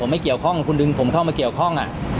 ไม่เกี่ยวข้องคุณดึงผมเข้ามาเกี่ยวข้อง